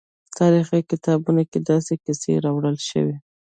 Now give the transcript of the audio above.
تاریخي کتابونو کې داسې کیسې راوړل شوي.